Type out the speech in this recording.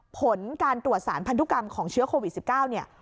ผลการตรวจสารพันธุกรรมของเชื้อโควิด๑๙เนี่ย